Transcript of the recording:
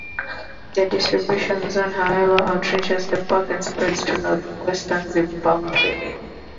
Their distribution zone however outreaches the park and spreads to northwestern Zimbabwe.